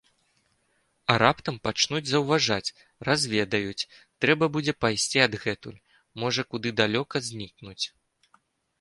А раптам пачнуць заўважаць, разведаюць, трэба будзе пайсці адгэтуль, можа, куды далёка знікнуць.